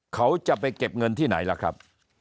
เขาจะไปเก็บเงินที่ไหนล่ะครับ